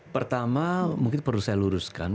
pertama mungkin perlu saya luruskan